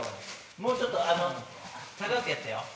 もうちょっと高くやってよ。